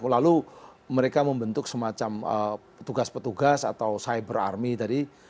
lalu mereka membentuk semacam tugas petugas atau cyber army tadi